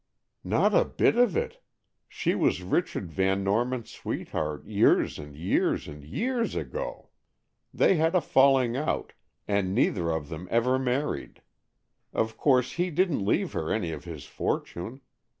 "Not a bit of it. She was Richard Van Norman's sweetheart, years and years and years ago. They had a falling out, and neither of them ever married. Of course he didn't leave her any of his fortune.